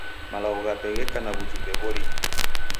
Malagho ghape gheka na w'ujumbe w'orinyi.